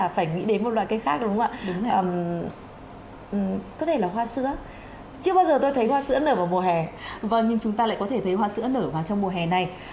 vâng nhưng chúng ta lại có thể thấy hoa sữa nở vào trong mùa hè này